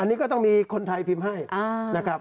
อันนี้ก็ต้องมีคนไทยพิมพ์ให้นะครับ